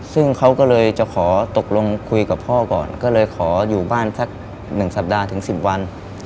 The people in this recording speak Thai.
ซึ่งเขาก็เลยจะขอตกลงคุยกับพ่อก่อนก็เลยขออยู่บ้านสัก๑สัปดาห์ถึง๑๐วัน